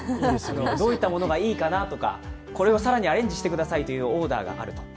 どういったものがいいかなとか、これを更にアレンジしてくださいというオーダーがある。